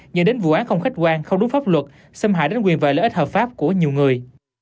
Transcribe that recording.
dẫn đến vụ án không khách quan không đúng pháp luật xâm hại đến quyền và lợi ích hợp pháp của nhiều người